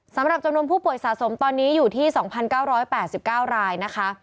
สำหรับจำนวนผู้ป่วยสะสมตอนนี้อยู่ที่๒๙๘๙รายนะคะ